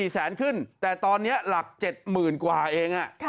๔แสนขึ้นแต่ตอนนี้หลัก๗๐๐๐กว่าเอง